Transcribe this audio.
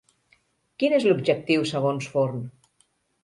Quin és l'objectiu segons Forn?